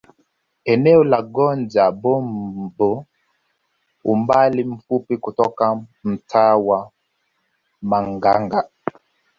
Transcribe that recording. Eneo la Gonja Bombo umbali mfupi kutoka mtaa wa Manganga